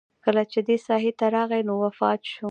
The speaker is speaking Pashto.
کله چې دې ساحې ته راغی نو وفات شو.